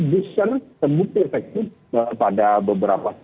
bisa terbukti efektif pada beberapa